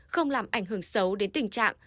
không làm ảnh hưởng xấu đến tình trạng